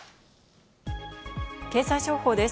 経済情報です。